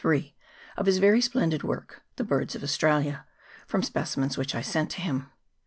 of his very splendid work, ' The Birds of Australia,' from specimens which I sent to him.